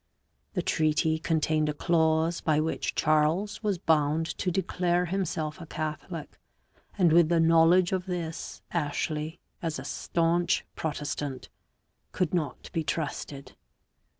The treaty contained a clause by which Charles was bound to declare himself a Catholic, and with the knowledge of this Ashley, as a stanch Protestant, could not be trusted.